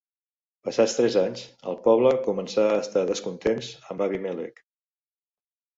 Passats tres anys, el poble començà a estar descontents amb Abimèlec.